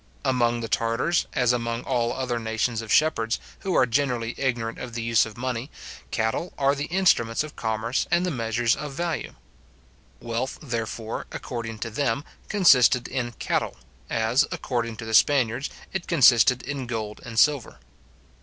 Among the Tartars, as among all other nations of shepherds, who are generally ignorant of the use of money, cattle are the instruments of commerce and the measures of value. Wealth, therefore, according to them, consisted in cattle, as, according to the Spaniards, it consisted in gold and silver.